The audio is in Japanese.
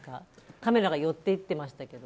カメラが寄っていっていましたけど。